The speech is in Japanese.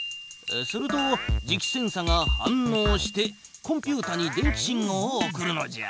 すると磁気センサが反のうしてコンピュータに電気信号を送るのじゃ。